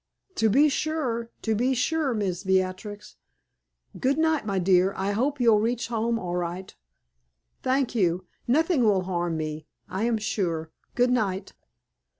"To be sure to be sure, Miss Beatrix. Good night, my dear. I hope you'll reach home all right." "Thank you. Nothing will harm me, I am sure. Good night."